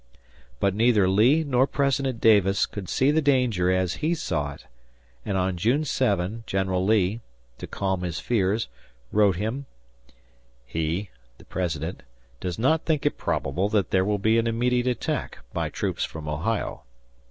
But neither Lee nor President Davis could see the danger as he saw it, and on June 7 General Lee to calm his fears wrote him: "He (the President) does not think it probable that there will be an immediate attack by troops from Ohio.